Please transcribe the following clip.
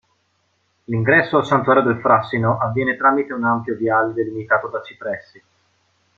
L'ingresso al santuario del Frassino avviene tramite un ampio viale delimitato da cipressi.